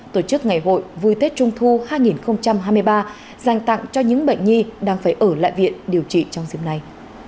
tổ chức ngày hội vui tết trung thu hai nghìn hai mươi ba dành tặng cho những bệnh nhi đang phải ở lại viện điều trị trong dịp này